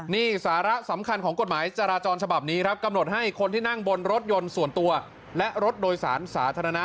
นี่สาระสำคัญของกฎหมายจราจรฉบับนี้ครับกำหนดให้คนที่นั่งบนรถยนต์ส่วนตัวและรถโดยสารสาธารณะ